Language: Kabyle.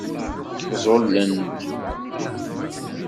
Ẓẓullent.